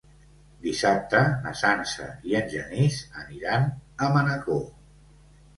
Dissabte na Sança i en Genís aniran a Manacor.